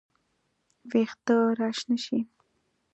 وېښته راشنه شي